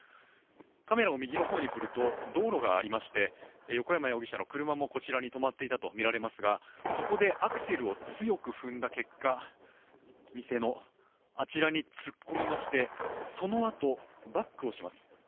カメラを右の方に振ると道路がありまして横山容疑者の車もこちらに止まっていたと見られますがそこでアクセルを強く踏んだ結果、店のあちらに突っ込みまして、そのあと、バックをします。